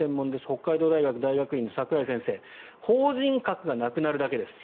北海道大学大学院の櫻井先生法人格がなくなるだけです。